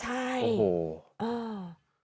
ใช่โอ้โห